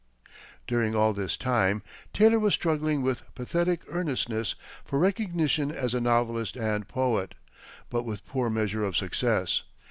During all this time, Taylor was struggling with pathetic earnestness for recognition as a novelist and poet, but with poor measure of success.